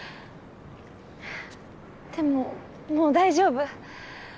でももう大丈夫。